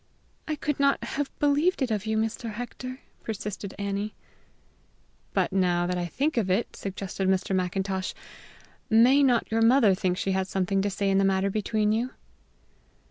"I could not have believed it of you, Mr. Hector!" persisted Annie. "But, now that I think of it," suggested Mr. Macintosh, "may not your mother think she has something to say in the matter between you?"